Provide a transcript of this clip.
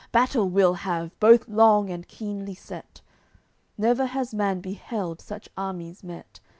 Battle we'll have, both long and keenly set, Never has man beheld such armies met.